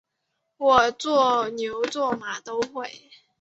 我做牛做马都会